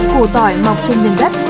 củ tỏi mọc trên nền đất